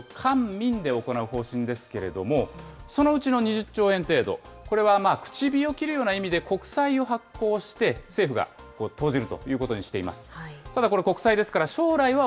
政府は今後１０年間で１５０兆円を超えるような投資を官民で行う方針ですけれども、そのうちの２０兆円程度、これは口火を切るような意味で国債を発行して、政府が投じるということにしています。